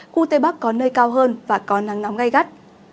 khu tây bắc có nơi cao hơn và có nắng nóng gai gắt